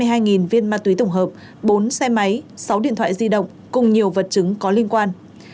thu năm trăm năm mươi hai viên ma túy tổng hợp bốn xe máy sáu điện thoại di động cùng nhiều vật chứng có liên quan